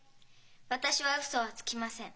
私はウソはつきません。